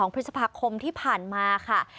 พฤษภาคมที่ผ่านมาค่ะ